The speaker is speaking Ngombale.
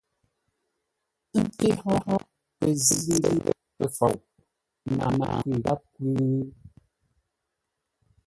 Ńté hó pəzʉ́-ndə̂ pəfou náa khʉ gháp khʉ̌?